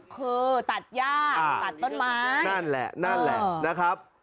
คือตัดย่าตัดต้นไม้นั่นแหละนั่นแหละนะครับ